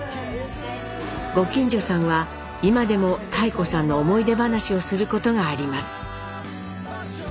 ご近所さんは今でも妙子さんの思い出話をすることがあります。